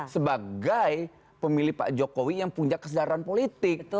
sebagai pemilih pak jokowi yang punya kesadaran politik